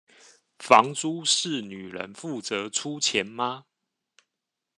房租是女人負責出錢嗎？